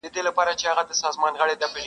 نه بڼو یمه ویشتلی- نه د زلفو زولانه یم-